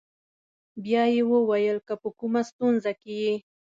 بیا یې وویل: که په کومه ستونزه کې یې.